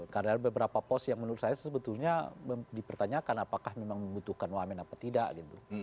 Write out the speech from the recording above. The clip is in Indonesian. karena beberapa pos yang menurut saya sebetulnya dipertanyakan apakah memang membutuhkan wamen apa tidak gitu